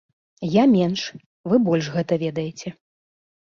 Я менш, вы больш гэта ведаеце.